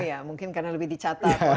iya mungkin karena lebih dicatat orang